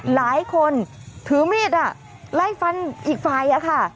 หลายคนถือมีดไล่ฟันอีกฝ่ายค่ะ